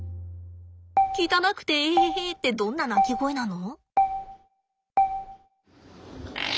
「汚くてえへへ」ってどんな鳴き声なの？